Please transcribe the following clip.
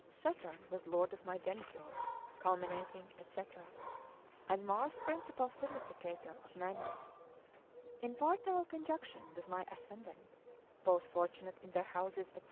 Saturn was lord of my geniture, culminating, &c., and Mars principal significator of manners, in partile conjunction with my ascendant; both fortunate in their houses, &c.